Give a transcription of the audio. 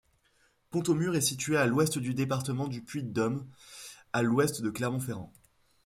Pontaumur est située à l'ouest du département du Puy-de-Dôme, à l'ouest de Clermont-Ferrand.